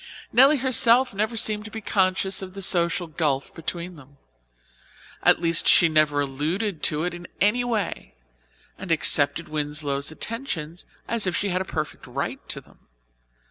Nelly herself never seemed to be conscious of the social gulf between them. At least she never alluded to it in any way, and accepted Winslow's attentions as if she had a perfect right to them.